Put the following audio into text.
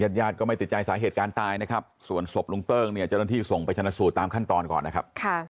ญาติญาติก็ไม่ติดใจสาเหตุการณ์ตายนะครับส่วนศพลุงเติ้งเนี่ยเจ้าหน้าที่ส่งไปชนะสูตรตามขั้นตอนก่อนนะครับ